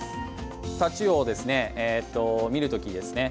タチウオを見る時ですね。